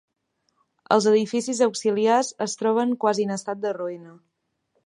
Els edificis auxiliars es troben quasi en estat de ruïna.